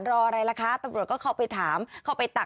อะไรล่ะคะตำรวจก็เข้าไปถามเข้าไปตัก